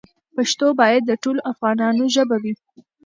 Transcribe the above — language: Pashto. پښتو باید د ټولو افغانانو ژبه وي.